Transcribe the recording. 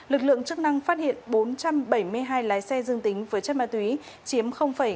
lực lượng chức năng phát hiện bốn trăm bảy mươi hai lái xe dương tính với chất ma túy chiếm bảy mươi